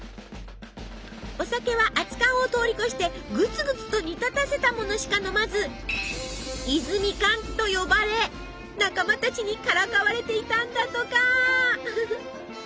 お酒は熱燗を通り越してぐつぐつと煮立たせたものしか飲まず。と呼ばれ仲間たちにからかわれていたんだとか。